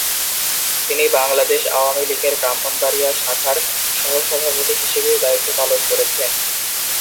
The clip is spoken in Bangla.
তিনি বাংলাদেশ আওয়ামী লীগের ব্রাহ্মণবাড়িয়া শাখার সহসভাপতি হিসেবেও দায়িত্ব পালন করেছেন।